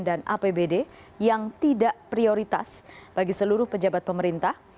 dan apbd yang tidak prioritas bagi seluruh pejabat pemerintah